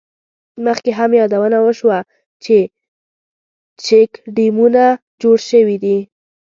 مخکې هم یادونه وشوه، چې چیک ډیمونه جوړ شوي دي.